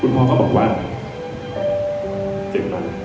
คุณพ่อก็บอกว่าเจ็บมาก